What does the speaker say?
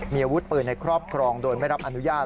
มีอาวุธปืนในครอบครองโดยไม่รับอนุญาต